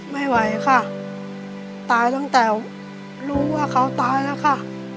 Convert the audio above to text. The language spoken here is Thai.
ไม่ไหวค่ะตายตั้งแต่รู้ว่าเขาตายแล้วค่ะ